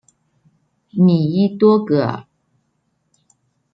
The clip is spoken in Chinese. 米伊多尔格。